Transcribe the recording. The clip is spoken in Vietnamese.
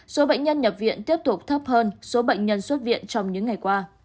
số bệnh nhân nhập viện tiếp tục thấp hơn số bệnh nhân xuất viện trong những ngày qua